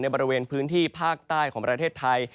บริเวณพื้นที่ภาคใต้ของประเทศไทย